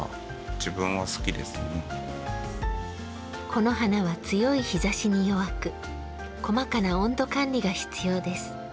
この花は強い日差しに弱く細かな温度管理が必要です。